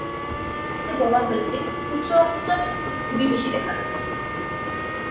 এতে বলা হয়েছে, উচ্চ রক্তচাপ এখন খুবই বেশি দেখা যাচ্ছে।